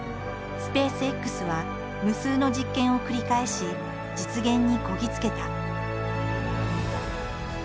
スペースＸは無数の実験を繰り返し実現にこぎつけた。